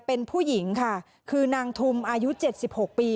เป็นผู้หญิงค่ะคือนางทุ่มอายุเจ็ดสิบหกปี